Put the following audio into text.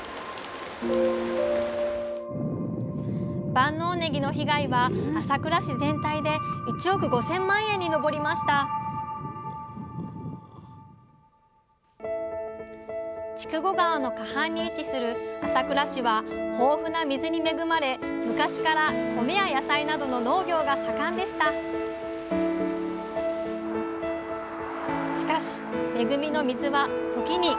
万能ねぎの被害は朝倉市全体で１億５，０００万円に上りました筑後川の河畔に位置する朝倉市は豊富な水に恵まれ昔から米や野菜などの農業が盛んでしたしかし恵みの水は時に牙をむきます。